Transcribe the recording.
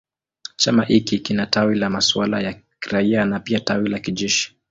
Chama hiki kina tawi la masuala ya kiraia na pia tawi la kijeshi.